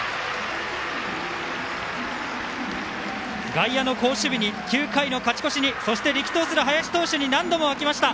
外野の好守備に９回の勝ち越しにそして、力投する林投手に何度も沸きました。